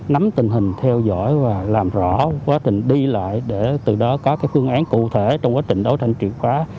nắm tình hình theo dõi và làm rõ quá trình đi lại để từ đó có phương án cụ thể trong quá trình đấu tranh triệt phá